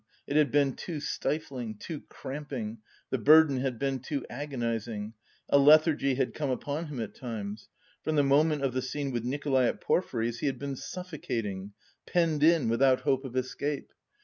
It had been too stifling, too cramping, the burden had been too agonising. A lethargy had come upon him at times. From the moment of the scene with Nikolay at Porfiry's he had been suffocating, penned in without hope of escape.